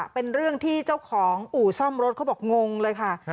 เป็นเรื่องที่เจ้าของอู่ซ่อมรถเขาบอกงงเลยค่ะ